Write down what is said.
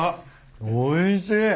おいしい。